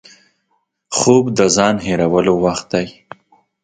خوب د ځان هېرولو وخت دی